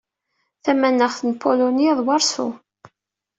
Tamaneɣt n Pulunya d Waṛsu.